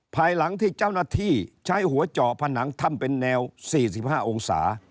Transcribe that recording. ภายหลังที่เจ้าหน้าที่ใช้หัวเจาะผนังถ้ำเป็นแนว๔๕องศา